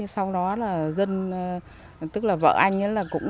sau đó là dân tức là vợ anh